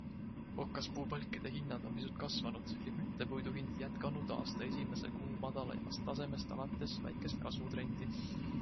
Okaspuupalkide hinnad on pisut kasvanud ja küttepuidu hind jätkanud aasta esimese kuu madalaimast tasemest alates väikest kasvutrendi.